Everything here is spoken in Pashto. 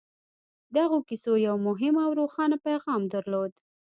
دغو کيسو يو مهم او روښانه پيغام درلود.